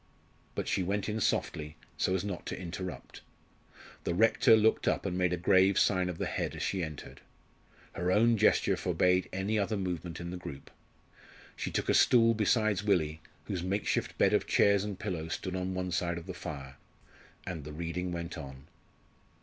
But she went in softly, so as not to interrupt. The rector looked up and made a grave sign of the head as she entered; her own gesture forbade any other movement in the group; she took a stool beside Willie, whose makeshift bed of chairs and pillows stood on one side of the fire; and the reading went on.